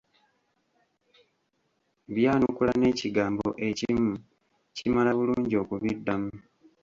Byanukula n'ekigambo ekimu, kimala bulungi okubiddamu.